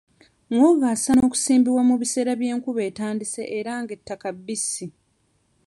Muwogo asaana kusimbibwa mu biseera ng'enkuba etandise era ng'ettaka bbisi.